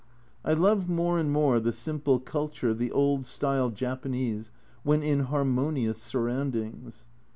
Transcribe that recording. I love more and more the simple culture of the old style Japanese when in harmonious surroundings.